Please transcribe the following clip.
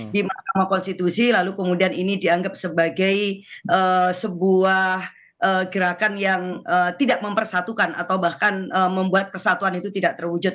di mahkamah konstitusi lalu kemudian ini dianggap sebagai sebuah gerakan yang tidak mempersatukan atau bahkan membuat persatuan itu tidak terwujud